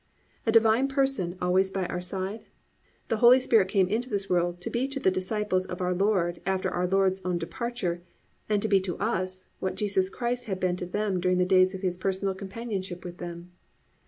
A Divine Person always by our side? The Holy Spirit came into this world to be to the disciples of our Lord after our Lord's own departure, and to be to us, what Jesus Christ had been to them during the days of His personal companionship with them.